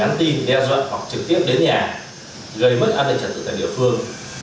gây mất an tình trật tự tại địa phương